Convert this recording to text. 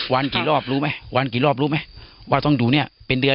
วันกี่รอบรู้ไหมวันกี่รอบรู้ไหมว่าต้องอยู่เนี่ยเป็นเดือน